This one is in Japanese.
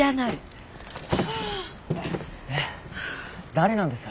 誰なんです？